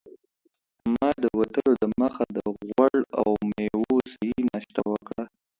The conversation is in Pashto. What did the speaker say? ما د وتلو دمخه د غوړ او میوو صحي ناشته وکړه.